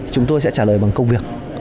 chúng tôi sẽ trả lời bằng công việc